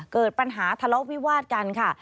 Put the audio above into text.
เกิดปัญหาทะเลาะวิวาดกันค่ะ